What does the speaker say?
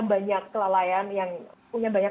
banyak kelalaian yang punya banyak